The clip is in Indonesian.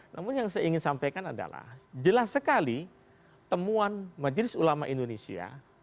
namun yang saya ingin sampaikan adalah jelas sekali temuan majelis ulama indonesia